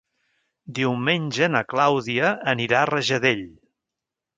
Diumenge na Clàudia anirà a Rajadell.